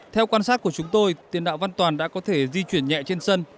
theo quan sát của chúng tôi tiền đạo văn toàn đã có thể di chuyển nhẹ trên sân